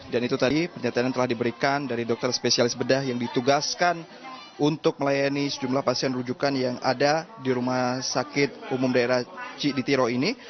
dan itu tadi pernyataan yang telah diberikan dari dokter spesialis bedah yang ditugaskan untuk melayani sejumlah pasien rujukan yang ada di rumah sakit umum daerah cik ditiro ini